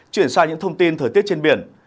chuyển sang những thông tin thời tiết trên biển